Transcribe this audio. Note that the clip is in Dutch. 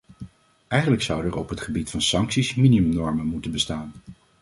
Eigenlijk zouden er op het gebied van sancties minimumnormen moeten bestaan.